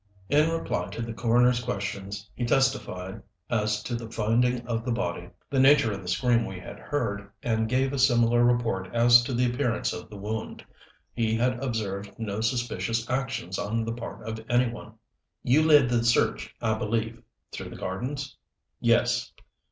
In reply to the coroner's questions, he testified as to the finding of the body, the nature of the scream we had heard and gave a similar report as to the appearance of the wound. He had observed no suspicious actions on the part of any one. "You led the search, I believe, through the gardens?" "Yes."